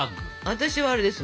私はあれです。